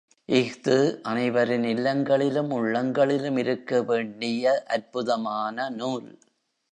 இஃது அனைவரின் இல்லங்களிலும் உள்ளங்களிலும் இருக்க வேண்டிய அற்புதமான நூல்.